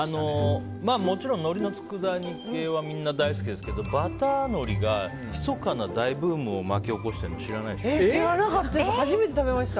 もちろんのりのつくだ煮系はみんな大好きですけどバター海苔がひそかな大ブームを巻き起こしているの初めて食べました。